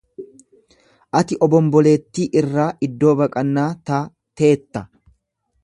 Ati obomboleettii irraa iddoo baqannaa ta'teetta.